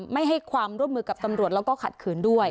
ไม่ให้ความร่วมมือกับตำรวจแล้วก็ขัดขืนด้วย